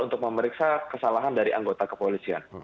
untuk memeriksa kesalahan dari anggota kepolisian